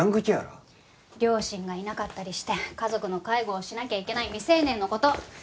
両親がいなかったりして家族の介護をしなきゃいけない未成年の事。